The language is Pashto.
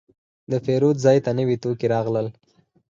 د پیرود ځای ته نوي توکي راغلل.